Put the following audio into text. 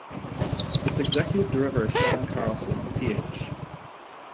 Its Executive Director, Shawn Carlson, Ph.